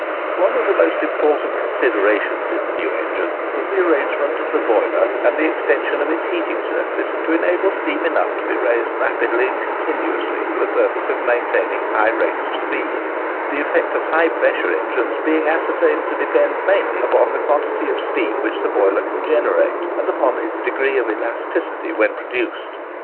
One of the most important considerations in the new engine was the arrangement of the boiler and the extension of its heating surface to enable steam enough to be raised rapidly and continuously, for the purpose of maintaining high rates of speed,—the effect of high pressure engines being ascertained to depend mainly upon the quantity of steam which the boiler can generate, and upon its degree of elasticity when produced.